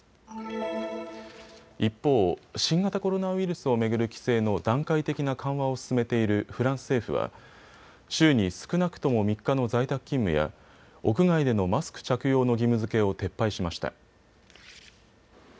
一方、新型コロナウイルスを巡る規制の段階的な緩和を進めているフランス政府は週に少なくとも３日の在宅勤務や屋外でのマスク着用の義務づけを撤廃しました。